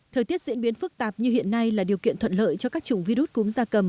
thời tiết diễn biến phức tạp như hiện nay là điều kiện thuận lợi cho các chủng virus cúm da cầm